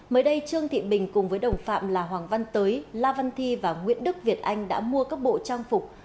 mới đây trương thị bình cùng với đồng phạm là hoàng văn tới la văn thi và nguyễn đức việt anh đã mua các bộ trang phục